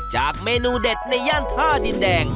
จากเมนูเด็ดในย่านท่าดินแดง